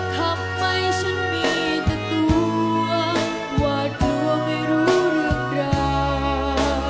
ทำให้ฉันมีแต่ตัวว่าดรัวไม่รู้เรื่องราว